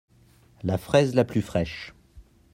La fraise la plus fraîche.